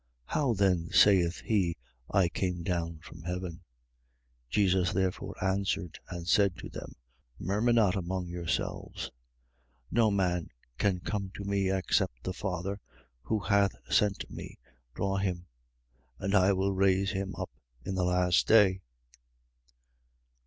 How then saith he: I came down from heaven? 6:43. Jesus therefore answered and said to them: Murmur not among yourselves. 6:44. No man can come to me, except the Father, who hath sent me, draw him. And I will raise him up in the last day.